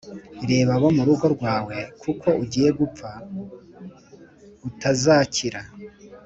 Raga abo mu rugo rwawe kuko ugiye gupfa, utazakira.’»